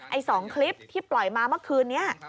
๒คลิปที่ปล่อยมาเมื่อคืนนี้